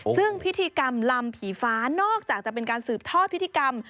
ซึ่งพิธีกรรมลำผีฟ้านอกจากจะเป็นการสืบทอดพิธีกรรม